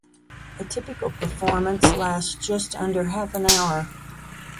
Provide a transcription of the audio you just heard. A typical performance lasts just under half an hour.